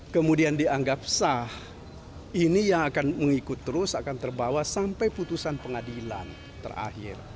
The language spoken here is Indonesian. kemudian dianggap sah ini yang akan mengikut terus akan terbawa sampai putusan pengadilan terakhir